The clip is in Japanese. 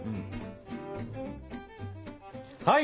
はい！